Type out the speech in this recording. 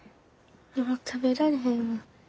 もう食べられへんわ。